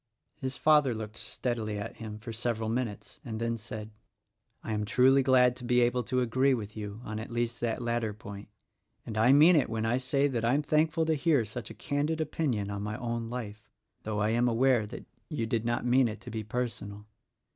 His father looked steadily at him for several minutes, and then said, "I am truly glad to be able to agree with you on at least that latter point; and I mean it when I say that I am thankful to hear such a candid opinion on my own life,— though I am aware that you did not mean to be personal.